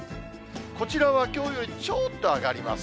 こちらはきょうよりちょっと上がります。